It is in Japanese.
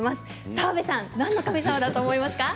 澤部さん何の神様だと思いますか。